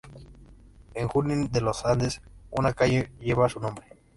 En Junín de los Andes una calle lleva su nombre.